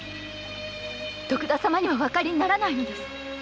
徳田様にはおわかりにならないのです。